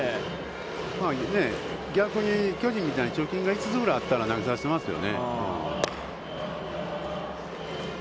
逆に巨人みたいに貯金が５つぐらいあったら、投げさせてますよね。